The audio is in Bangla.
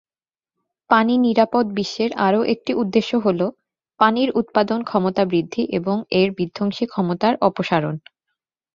পানি নিরাপদ বিশ্বের আরও একটি উদ্দেশ্য হলো, পানির উৎপাদন ক্ষমতা বৃদ্ধি এবং এর বিধ্বংসী ক্ষমতার অপসারণ।